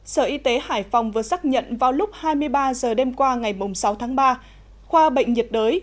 sở y tế hải phòng vừa xác nhận vào lúc hai mươi ba h đêm qua ngày sáu tháng ba khoa bệnh nhiệt đới